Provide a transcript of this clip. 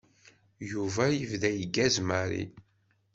Yuba yebda yeggaz Mary.